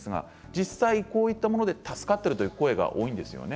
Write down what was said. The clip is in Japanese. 実際、こういったもので助かっているという声が多いですよね。